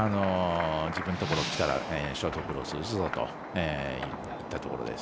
自分のところきたらショートクロス打つぞといったところです。